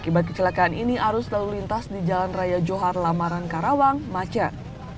akibat kecelakaan ini arus lalu lintas di jalan raya johar lamaran karawang macet